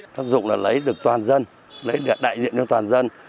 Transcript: pháp dụng là lấy được toàn dân lấy được đại diện cho toàn dân